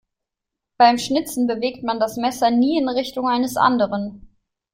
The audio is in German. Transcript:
Beim Schnitzen bewegt man das Messer nie in Richtung eines anderen.